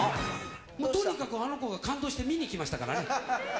もうとにかくあの子が感動して見に来ましたからね。